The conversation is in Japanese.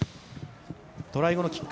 トライ後のキック。